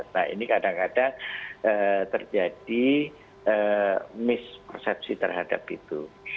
nah ini kadang kadang terjadi mispersepsi terhadap itu